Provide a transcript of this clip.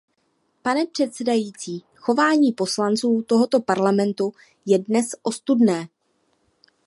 Pane předsedající, chování poslanců tohoto Parlamentu je dnes ostudné.